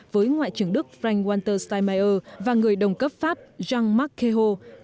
với ngoại trưởng đức frank walter steinmeier và người đồng cấp pháp jean marc kehoe